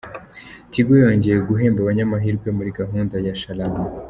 Tigo yongeye guhemba abanyamahirwe muri gahunda ya "Sharama"